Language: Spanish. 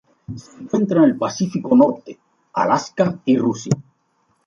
Se encuentra en el Pacífico norte: Alaska y Rusia.